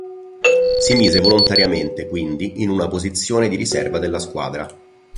Si mise volontariamente, quindi, in una posizione di riserva della squadra.